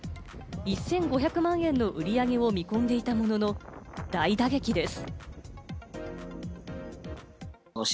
１５００万円の売り上げを見込んでいたものの、大打撃です。